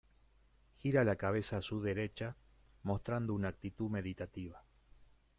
Gira la cabeza a su derecha, mostrando una actitud meditativa.